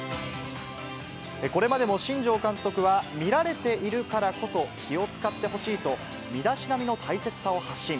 これまでも新庄監督は、見られているからこそ、気を遣ってほしいと、身だしなみの大切さを発信。